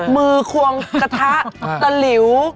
มือควงกระทะตะหลิว